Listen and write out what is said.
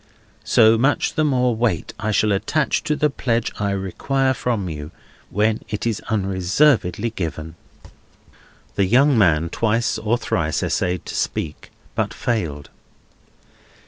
So much the more weight shall I attach to the pledge I require from you, when it is unreservedly given." The young man twice or thrice essayed to speak, but failed.